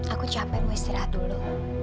aku capek mau istirahat dulu